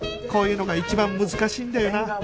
こういうのが一番難しいんだよな